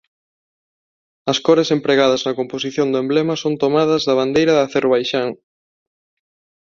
As cores empregadas na composición do emblema son tomadas da bandeira de Acerbaixán.